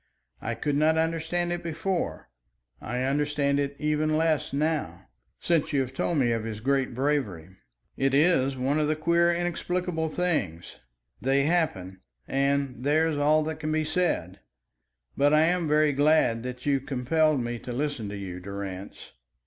I could not understand it before; I understand it even less now since you have told me of his great bravery. It is one of the queer inexplicable things. They happen, and there's all that can be said. But I am very glad that you compelled me to listen to you, Durrance."